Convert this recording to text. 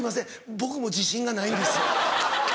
僕も自信がないんです。